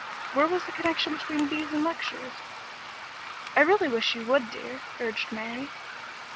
Where was the connection between bees and lectures? "I really wish you would, dear," urged Mary.